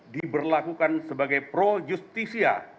diberlakukan sebagai pro justisia